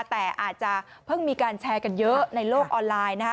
แต่อาจจะเพิ่งมีการแชร์กันเยอะในโลกออนไลน์นะคะ